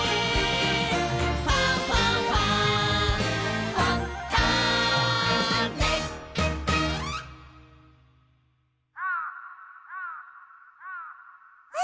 「ファンファンファン」あ